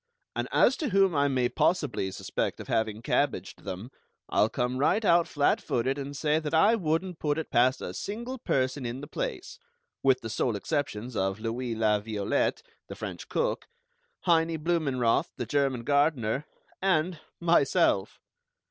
And as to whom I may possibly suspect of having cabbaged them, I'll come right out flat footed and say that I wouldn't put it past a single person in the place, with the sole exceptions of Louis La Violette, the French cook, Heinie Blumenroth, the German gardener, and myself!